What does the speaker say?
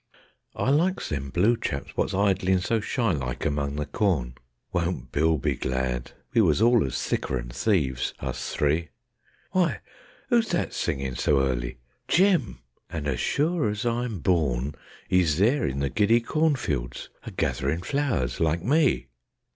I likes them blue chaps wot's 'idin' so shylike among the corn. Won't Bill be glad! We was allus thicker 'n thieves, us three. Why! 'Oo's that singin' so 'earty? JIM! And as sure as I'm born 'E's there in the giddy cornfields, a gatherin' flowers like me.